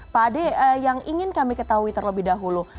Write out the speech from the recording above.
pak ade yang ingin kami ketahui terlebih dahulu